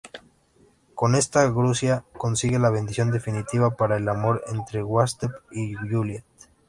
Con esta argucia consigue la bendición definitiva para el amor entre Gustave y Juliette.